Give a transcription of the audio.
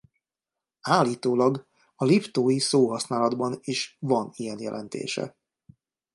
Állítólag a liptói szóhasználatban is van ilyen jelentése.